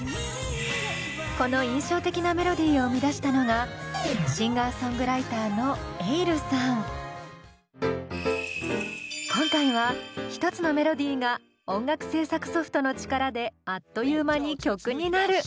この印象的なメロディーを生み出したのがシンガーソングライターの今回は１つのメロディーが音楽制作ソフトの力であっという間に曲になる！